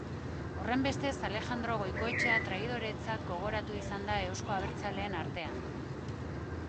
Horrenbestez, Alejandro Goikoetxea traidoretzat gogoratu izan da eusko abertzaleen artean.